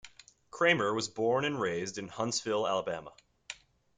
Cramer was born and raised in Huntsville, Alabama.